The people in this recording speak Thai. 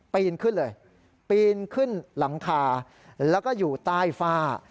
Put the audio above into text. ปีนขึ้นเลยปีนขึ้นหลังคาแล้วก็อยู่ใต้ฝ้า